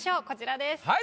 こちらです。